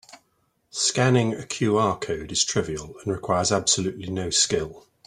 Scanning a QR code is trivial and requires absolutely no skill.